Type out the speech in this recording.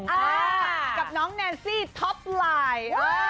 อ่ากับน้องแนนซี่ท็อปไลน์